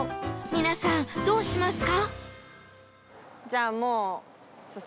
皆さんどうしますか？